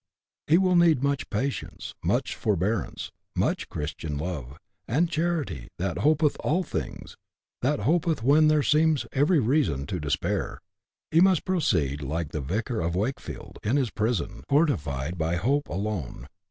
He will need much patience, much forbearance, much Christian love, and the charity that " hopeth all things," that hopeth when there seems every reason to despair. He must proceed, like the Vicar of Wakefield in his prison, fortified by hope alone.